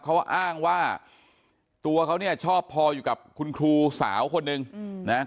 เขาอ้างว่าตัวเขาเนี่ยชอบพออยู่กับคุณครูสาวคนนึงนะ